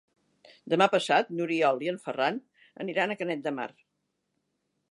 Demà passat n'Oriol i en Ferran aniran a Canet de Mar.